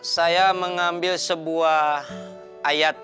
saya mengambil sebuah ayat